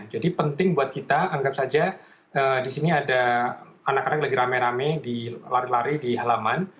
jadi penting buat kita anggap saja di sini ada anak anak lagi rame rame lari lari di halaman